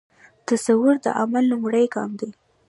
تصور د عمل لومړی ګام دی.